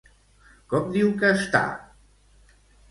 Com diu que està?